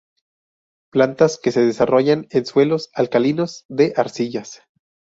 Plantas que se desarrollan en suelos alcalinos de arcillas.